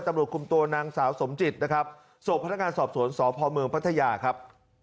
ตำรวจคุมตัวนางสาวสมจิตนะครับส่งพนักงานสอบสวนสพเมืองพัทยาครับ